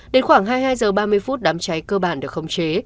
đến khoảng hai mươi hai h ba mươi phút đám cháy cơ bản được khống chế